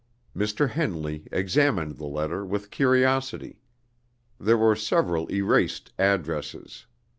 Mr. Henley examined the letter with curiosity. There were several erased addresses.